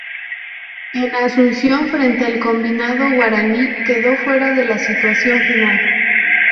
En Asunción, frente al combinado guaraní, quedó fuera de la citación final.